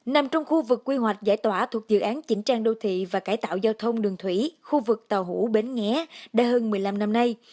nằm trong khu vực quy hoạch giải tỏa thuộc dự án chỉnh trang đô thị và cải tạo giao thông đường thủy khu vực tàu hủ bến nghé đã hơn một mươi năm năm nay